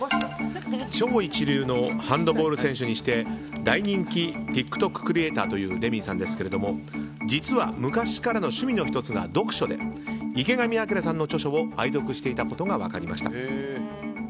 超一流のハンドボール選手にして大人気ＴｉｋＴｏｋクリエーターというレミイさんですが実は昔からの趣味の１つが読書で池上彰さんの著書を愛読していたことが分かりました。